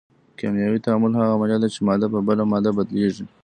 کیمیاوي تعامل هغه عملیه ده چې ماده په بله ماده بدلیږي.